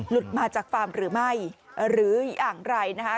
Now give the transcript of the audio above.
มาจากฟาร์มหรือไม่หรืออย่างไรนะคะ